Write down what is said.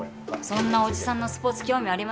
そんなおじさんのスポーツ興味ありません。